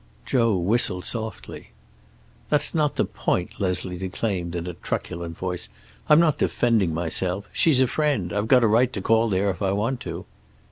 Joe whistled softly. "That's not the point," Leslie declaimed, in a truculent voice. "I'm not defending myself. She's a friend; I've got a right to call there if I want to."